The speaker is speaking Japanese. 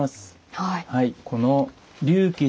はい。